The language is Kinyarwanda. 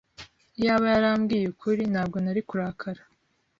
Iyaba yarambwiye ukuri, ntabwo nari kurakara.